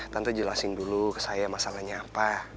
tante jelasin dulu ke saya masalahnya apa